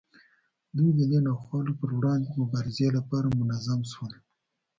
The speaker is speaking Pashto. دوی د دې ناخوالو پر وړاندې مبارزې لپاره منظم شول.